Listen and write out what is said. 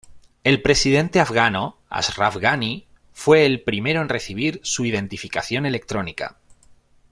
El presidente afgano Ashraf Ghani fue el primero en recibir su identificación electrónica.